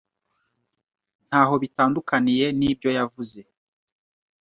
Ntaho bitandukaniye nibyo yavuze.